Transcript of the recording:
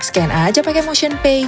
scan aja pakai motion pay